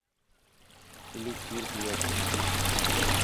ٻلي کير پيي پئي.